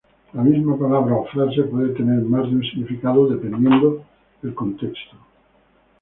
La misma palabra o frase puede tener más de un significado dependiendo del contexto.